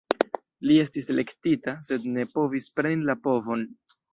Li estis elektita, sed ne povis preni la povon.